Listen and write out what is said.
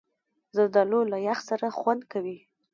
زردالو له یخ سره خوند کوي.